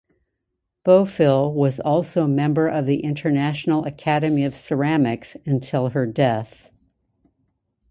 Bofill was also member of the International Academy of Ceramics until her death.